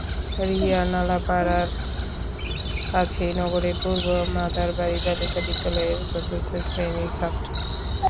রিয়া নালাপাড়ার কাছেই নগরের পূর্ব মাদারবাড়ি বালিকা বিদ্যালয়ের চতুর্থ শ্রেণির ছাত্রী।